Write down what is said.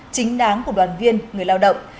chính đáng của đoàn viên người lao động